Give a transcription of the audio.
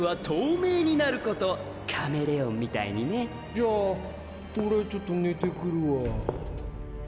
じゃあ俺はちょっと寝てくるわ。